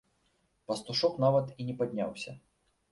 Пастушок нават і не падняўся.